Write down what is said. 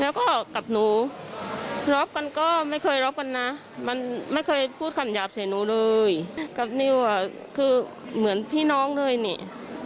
แล้วก็กับหนูรบกันก็ไม่เคยรบกันนะมันไม่เคยพูดคำหยาบใส่หนูเลยกับนิวอ่ะคือเหมือนพี่น้องเลยนี่